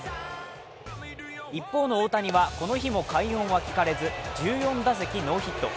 一方の大谷はこの日も快音は聞かれず１４打席ノーヒット。